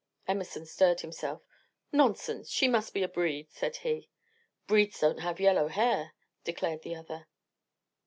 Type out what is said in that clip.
Emerson stirred himself. "Nonsense! She must be a breed," said he. "Breeds don't have yellow hair!" declared the other.